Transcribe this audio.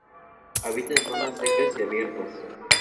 Habita en zonas secas y abiertas.